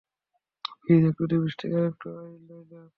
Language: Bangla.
প্লিজ, একটু লিপিস্টিক, আর একটু আই লাইনার।